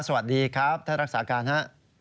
สวัสดีครับท่านรักษาการฮะ